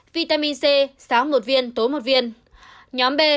vitamin c sáng một viên tối một viên